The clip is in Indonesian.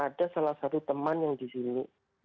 ada salah satu teman yang di sini